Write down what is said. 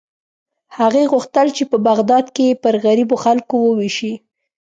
هغې غوښتل چې په بغداد کې یې پر غریبو خلکو ووېشي.